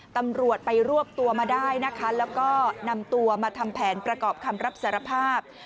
ตำรวจไปรวบตัวมาได้นะคะแล้วก็นำตัวมาทำแผนประกอบคำรับสารภาพ